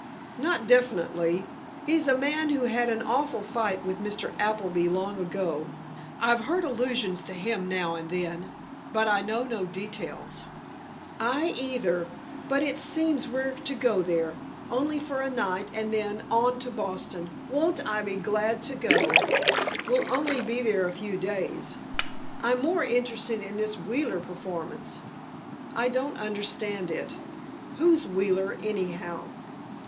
"Not definitely. He's a man who had an awful fight with Mr. Appleby, long ago. I've heard allusions to him now and then, but I know no details." "I, either. But, it seems we're to go there. Only for a night, and then, on to Boston! Won't I be glad to go!" "We'll only be there a few days. I'm more interested in this Wheeler performance. I don't understand it. Who's Wheeler, anyhow?"